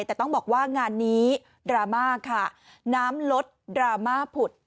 แต่ต้องบอกว่างานนี้ดราม่าค่ะน้ำลดดราม่าผุด